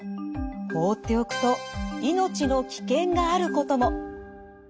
放っておくと命の危険があることも。